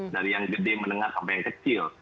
dari yang gede menengah sampai yang kecil